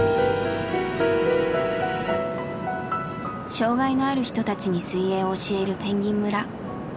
障害のある人たちに水泳を教える「ぺんぎん村」。